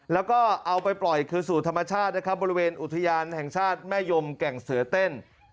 แล้วก็เอาไปปล่อยคืนสู่ธรรมชาตินะครับบริเวณอุทยานแห่งชาติแม่ยมแก่งเสือเต้น